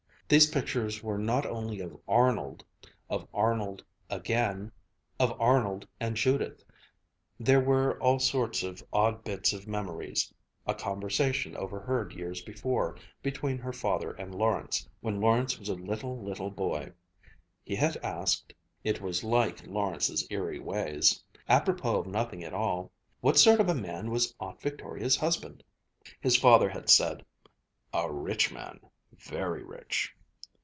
These pictures were not only of Arnold, of Arnold again, of Arnold and Judith. There were all sorts of odd bits of memories a conversation overheard years before, between her father and Lawrence, when Lawrence was a little, little boy. He had asked it was like Lawrence's eerie ways apropos of nothing at all, "What sort of a man was Aunt Victoria's husband?" His father had said, "A rich man, very rich."